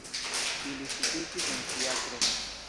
Ili sidiĝis en fiakro.